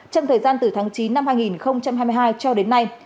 trong thời gian từ tháng chín năm hai nghìn hai mươi hai cho đến nay